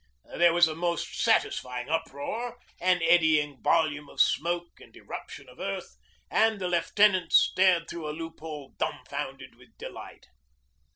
There was a most satisfying uproar and eddying volume of smoke and eruption of earth, and the lieutenant stared through a loophole dumb founded with delight.